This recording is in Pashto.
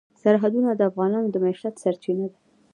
سرحدونه د افغانانو د معیشت سرچینه ده.